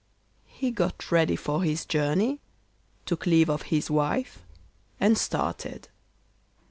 He got ready for his journey, took leave of his wife, and started.